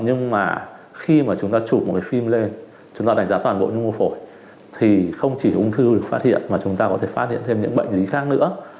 nhưng mà khi mà chúng ta chụp một cái phim lên chúng ta đánh giá toàn bộ những mô phổi thì không chỉ ung thư được phát hiện mà chúng ta có thể phát hiện thêm những bệnh lý khác nữa